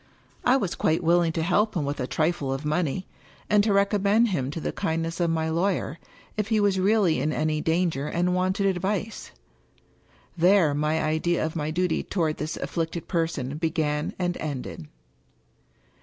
I was quite willing to help him with a trifle of money, and to recommend him to the kindness of my lawyer, if he was really in any danger and wanted advice. There my idea of my duty toward this afflicted person began and ended.